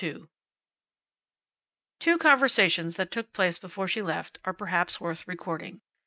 Two conversations that took place before she left are perhaps worth recording.